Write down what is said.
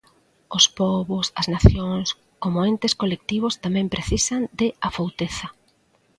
Os pobos, as nacións, como entes colectivos tamén precisan de afouteza.